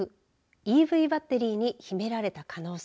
ＥＶバッテリーに秘められた可能性。